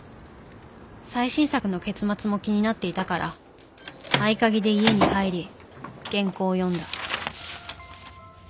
最新作の結末も気になっていたから合鍵で家に入り原稿を読んだ。